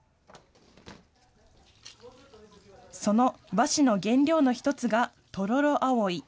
その和紙の原料の一つがトロロアオイ。